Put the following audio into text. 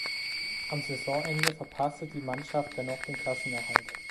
Am Saisonende verpasste die Mannschaft dennoch den Klassenerhalt.